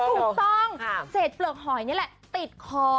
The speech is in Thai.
ถูกต้องเศษเปลือกหอยนี่แหละติดคอ